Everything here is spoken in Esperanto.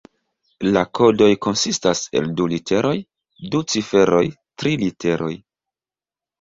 La kodoj konsistas el du literoj, du ciferoj, tri literoj.